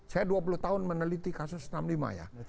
saya dua puluh tahun meneliti kasus enam puluh lima ya